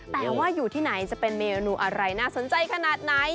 แต่ว่าอยู่ที่ไหนจะเป็นเมนูอะไรน่าสนใจขนาดไหน